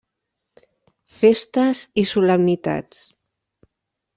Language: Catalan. Festes i solemnitats.